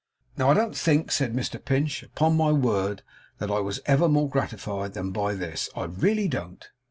'Now, I don't think,' said Mr Pinch, 'upon my word, that I was ever more gratified than by this. I really don't.